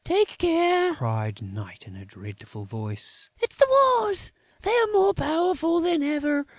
"Take care!" cried Night, in a dreadful voice. "It's the Wars! They are more powerful than ever!